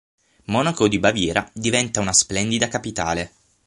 Monaco di Baviera diventa una splendida capitale.